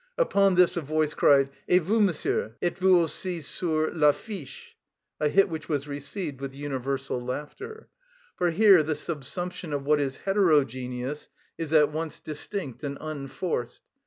Upon this a voice cried: "Et vous, Monsieur, êtes vous aussi sur l'affiche?"—a hit which was received with universal laughter. For here the subsumption of what is heterogeneous is at once distinct and unforced.